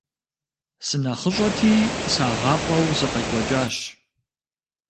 СынэхъыщӀэти сагъафӀэу сыкъекӀуэкӀащ.